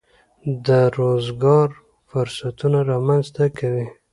د روزګار فرصتونه رامنځته کوي.